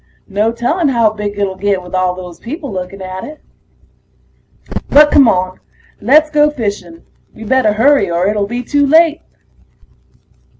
No telling how big it'll get with all those people looking at it. But come on, let's go fishing. We'd better hurry or it'll be too late.